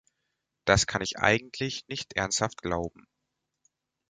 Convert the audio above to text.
Das kann ich eigentlich nicht ernsthaft glauben.